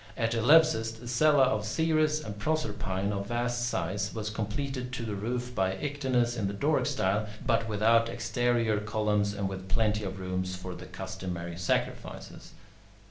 At Eleusis, the cella of Ceres and Proserpine, of vast size, was completed to the roof by Ictinus in the Doric style, but without exterior columns and with plenty of room for the customary sacrifices.